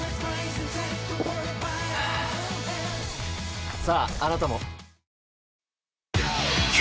ああなたも。